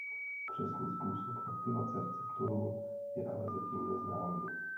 Přesný způsob aktivace receptorů je ale zatím neznámý.